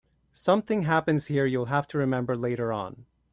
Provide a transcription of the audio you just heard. Something happens here you'll have to remember later on.